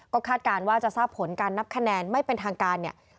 ก็คาดการณ์ว่าจะทราบผลการนับคะแนนไม่เป็นทางการเนี่ย